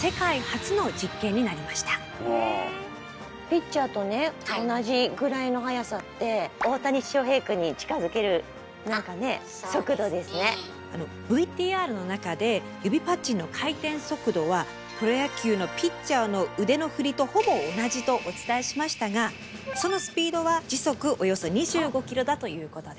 ピッチャーとね同じぐらいの速さって大谷翔平くんにＶＴＲの中で指パッチンの回転速度はプロ野球のピッチャーの腕の振りとほぼ同じとお伝えしましたがそのスピードは時速およそ２５キロだということです。